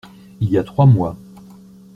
Il y a trois mois.